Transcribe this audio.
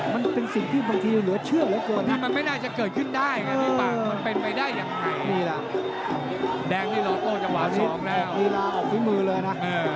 มันเป็นสิ่งที่บางทีเหลือเชื่อเหลือเกิน